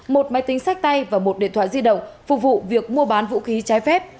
một máy tính sách tay và một điện thoại di động phục vụ việc mua bán vũ khí trái phép